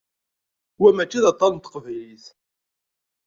Wa mačči d aṭan n teqbaylit?